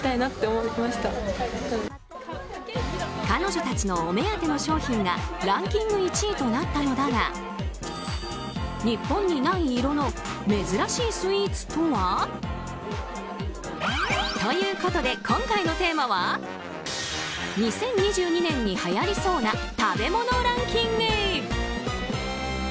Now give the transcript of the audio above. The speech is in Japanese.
彼女たちのお目当ての商品がランキング１位となったのだが日本にない色の珍しいスイーツとは？ということで、今回のテーマは２０２２年にはやりそうな食べ物ランキング。